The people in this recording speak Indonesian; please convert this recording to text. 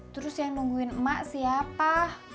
terus yang nungguin emak siapa